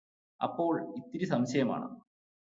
അപ്പോൾ ഇത്തിരി സംശയമാണ്